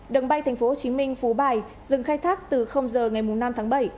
đường bay tp hcm phú bài dừng khai thác từ giờ ngày năm tháng bảy